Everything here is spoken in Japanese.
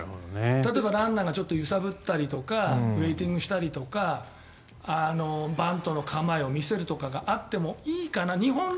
例えば、ランナーがちょっと揺さぶったりとかウェイティングしたりとかバントの構えを見せるとかがあってもいいかなと。